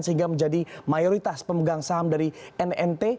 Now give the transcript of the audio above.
sehingga menjadi mayoritas pemegang saham dari nnt